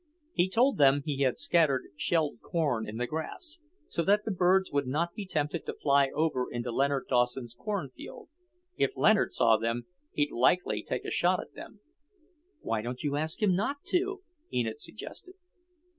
He told them he had scattered shelled corn in the grass, so that the birds would not be tempted to fly over into Leonard Dawson's cornfield. "If Leonard saw them, he'd likely take a shot at them." "Why don't you ask him not to?" Enid suggested.